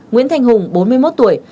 nguyễn thành hùng bốn mươi một tuổi